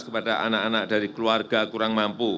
kepada anak anak dari keluarga kurang mampu